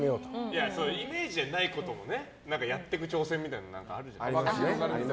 イメージにないことをやっていく挑戦とかあるじゃないですか。